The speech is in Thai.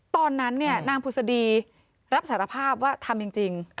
ตอนนั้นนางผุศดีรับสารภาพว่าทำจริง